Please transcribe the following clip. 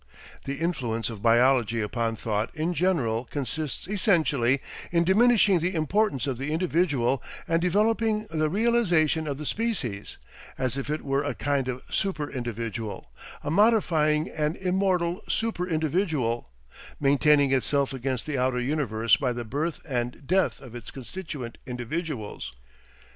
The influence of biology upon thought in general consists essentially in diminishing the importance of the individual and developing the realisation of the species, as if it were a kind of super individual, a modifying and immortal super individual, maintaining itself against the outer universe by the birth and death of its constituent individuals.